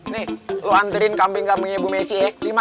nih lo anterin kambing kambingnya bu messi ya